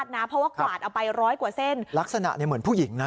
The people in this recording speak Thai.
เพราะว่ากวาดเอาไปร้อยกว่าเส้นลักษณะเนี่ยเหมือนผู้หญิงนะ